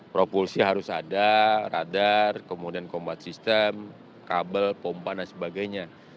propulsi harus ada radar kemudian combat system kabel pompa dan sebagainya